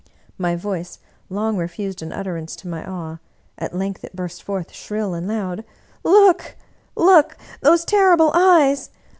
My voice long refused an ut terance to my awe; at length it burst forth shrill and loud: " Look, look! Those terrible Eyes